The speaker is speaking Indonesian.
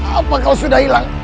apakah kau sudah hilang